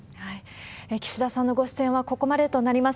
岸田さんのご出演はここまでとなります。